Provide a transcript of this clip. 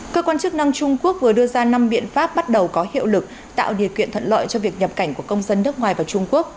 cơ quan chức năng trung quốc vừa đưa ra năm biện pháp bắt đầu có hiệu lực tạo điều kiện thuận lợi cho việc nhập cảnh của công dân nước ngoài vào trung quốc